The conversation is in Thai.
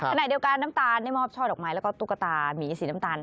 ขณะเดียวกันน้ำตาลได้มอบช่อดอกไม้แล้วก็ตุ๊กตามีสีน้ำตาล